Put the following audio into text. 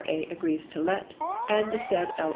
A. agrees to let, and the said L.